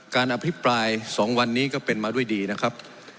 อภิปราย๒วันนี้ก็เป็นมาด้วยดีนะครับ